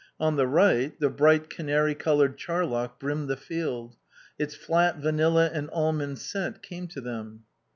On the right the bright canary coloured charlock brimmed the field. Its flat, vanilla and almond scent came to them.